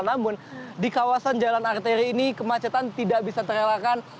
namun di kawasan jalan arteri ini kemacetan tidak bisa terelakkan